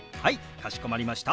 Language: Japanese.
かしこまりました。